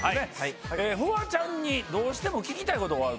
フワちゃんにどうしても聞きたいことがある？